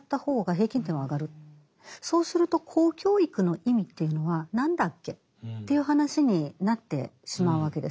そうすると公教育の意味というのは何だっけという話になってしまうわけです。